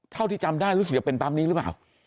เท่าที่จำได้รู้สึกจะเป็นปั๊มนี้หรือเปล่า